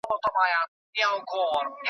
پر بچو د توتکۍ چي یې حمله کړه .